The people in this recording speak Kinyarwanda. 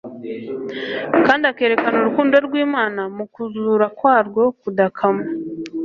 kandi akerekana urukundo rw’Imana mu kuzura kwarwo kudakama.